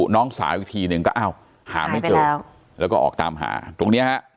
น้องสาวีคทีหนึ่งก็เอ้าหายไปแล้วแล้วก็ออกตามหาตรงเนี้ยฮะ